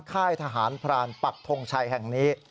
ค่ายทหารพรานปักทงชัยแห่งนี้